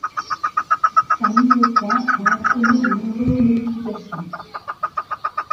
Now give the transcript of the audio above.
Sa mise au point a entrainé de nombreuses modifications.